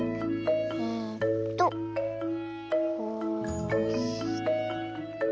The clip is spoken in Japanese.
えっとこうして。